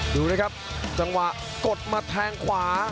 ดูนะครับจังหวะกดมาแทงขวา